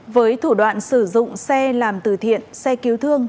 với thủ đoạn sử dụng xe làm từ thiện xe cứu thương